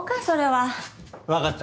わかった。